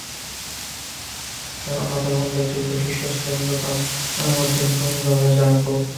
তার অন্যতম উল্লেখযোগ্য শিষ্য ছিলেন প্রথম ঙ্গোর-ছেন কুন-দ্গা'-ব্জাং-পো।